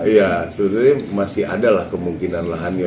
ya sebenarnya masih ada lah kemungkinan lahannya